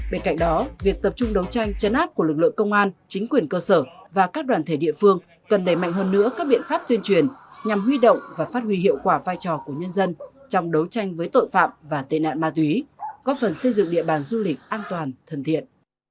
bên cạnh đó việc tập trung đấu tranh chấn áp của lực lượng công an chính quyền cơ sở và các đoàn thể địa phương cần đẩy mạnh hơn nữa các biện pháp tuyên truyền nhằm huy động và phát huy hiệu quả vai trò của nhân dân trong đấu tranh với tội phạm và tên nạn ma túy góp phần xây dựng địa bàn du lịch an toàn thân thiện